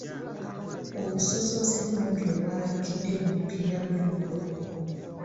Obusosoze bungi obwalabikidde mu mupiira gw'eggulo.